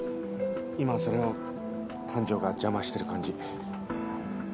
今はそれを感情が邪魔してる感じ。